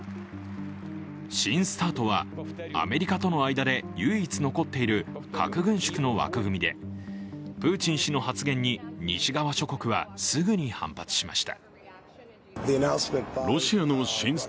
新ＳＴＡＲＴとは、アメリカとの間で唯一残っている核軍縮の枠組みでプーチン氏の発言に西側諸国はすぐに反発しました。